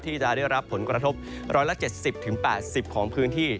ที่จะได้รับผลกระทบ๑๗๐๘๐ของพื้นที่